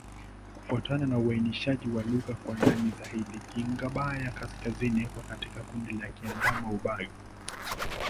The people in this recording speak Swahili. Kufuatana na uainishaji wa lugha kwa ndani zaidi, Kigbaya-Kaskazini iko katika kundi la Kiadamawa-Ubangi.